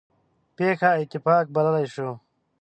پېښه اتفاق بللی شو.